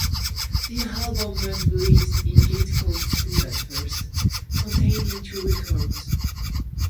The album was released in gatefold sleeve at first, containing two records.